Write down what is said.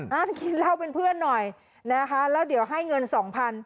นั่งกินเหล้าเป็นเพื่อนหน่อยนะคะแล้วเดี๋ยวให้เงินสองพัน